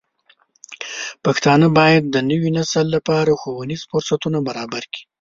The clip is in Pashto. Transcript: پښتانه بايد د نوي نسل لپاره ښوونیز فرصتونه برابر کړي.